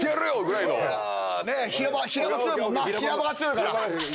平場が強いから。